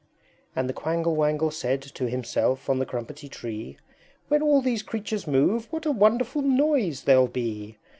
VI. And the Quangle Wangle said To himself on the Crumpetty Tree, "When all these creatures move What a wonderful noise there'll be!"